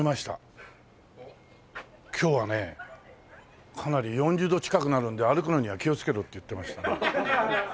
今日はねかなり４０度近くなるんで歩くのには気をつけろって言ってました。